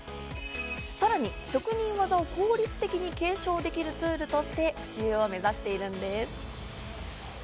さらに職人技を効率的に継承できるツールとして運用を目指しているんです。